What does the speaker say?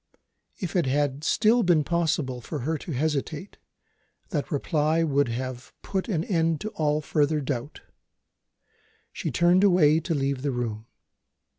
If it had still been possible for her to hesitate, that reply would have put an end to all further doubt. She turned away to leave the room.